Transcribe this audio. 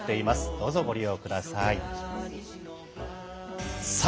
どうぞご利用ください。